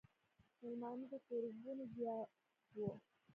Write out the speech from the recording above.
مېلمانۀ د کوربنو زيات وو ـ